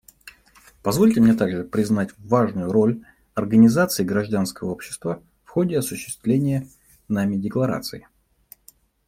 Позвольте мне также признать важную роль организаций гражданского общества в ходе осуществления нами Декларации.